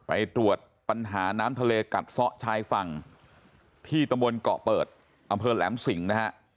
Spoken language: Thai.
ไปตรวจปัญหาน้ำทะเลกัดซะชายฝั่งที่ตำบลเกาะเปิดอำเภอแหลมสิงนะฮะ